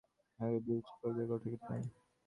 আঘাতের বিরুদ্ধে প্রতিঘাত করা কঠিন।